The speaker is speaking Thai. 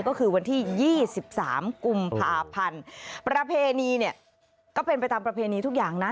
ก็คือวันที่๒๓กุมภาพันธ์ประเพณีเนี่ยก็เป็นไปตามประเพณีทุกอย่างนะ